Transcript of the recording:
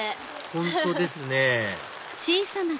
本当ですね